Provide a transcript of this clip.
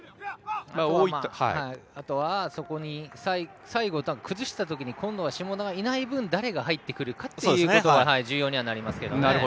あとは最後、崩したときに今度は下田がいない分誰が入ってくるかということが重要になってきますけどね。